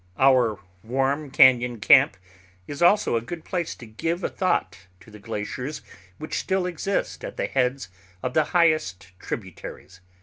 Our warm cañon camp is also a good place to give a thought to the glaciers which still exist at the heads of the highest tributaries.